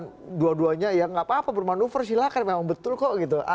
dan dua duanya ya nggak apa apa bermanuver silahkan memang betul kok gitu